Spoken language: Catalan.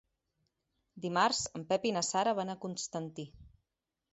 Dimarts en Pep i na Sara van a Constantí.